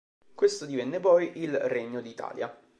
Questo divenne poi il Regno d'Italia.